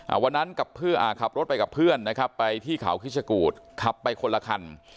วันนั้นกับเพื่ออ่าขับรถไปกับเพื่อนนะครับไปที่เขาคิชกูธขับไปคนละคัน